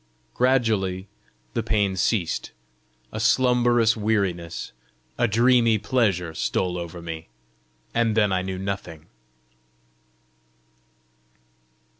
Gradually the pain ceased. A slumberous weariness, a dreamy pleasure stole over me, and then I knew nothing.